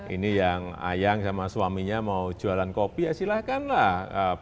ini yang ayang sama suaminya mau jualan kopi ya silahkanlah